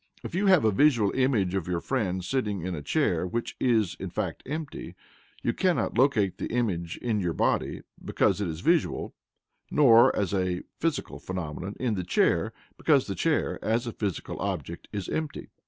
If you have a visual image of your friend sitting in a chair which in fact is empty, you cannot locate the image in your body, because it is visual, nor (as a physical phenomenon) in the chair, because the chair, as a physical object, is empty.